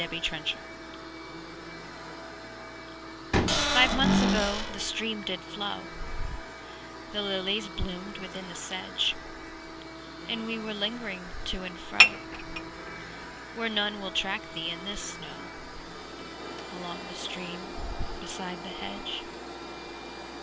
0 Autoplay Five months ago the stream did flow, The lilies bloomed within the sedge, And we were lingering to and fro, Where none will track thee in this snow, Along the stream, beside the hedge.